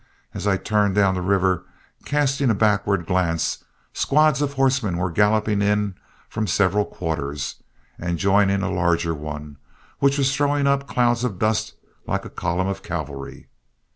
As I turned down the river, casting a backward glance, squads of horsemen were galloping in from several quarters and joining a larger one which was throwing up clouds of dust like a column of cavalry.